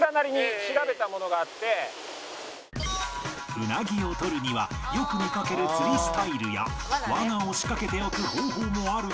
ウナギをとるにはよく見かける釣りスタイルや罠を仕掛けておく方法もあるが